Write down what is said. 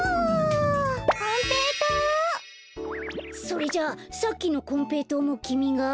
それじゃあさっきのこんぺいとうもきみが？